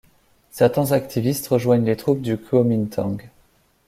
Certains activistes rejoignent les troupes du Kuomintang.